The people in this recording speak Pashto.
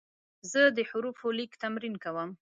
زه د حروفو لیک تمرین کوم.